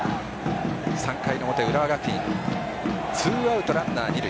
３回の表、浦和学院ツーアウト、ランナー、二塁。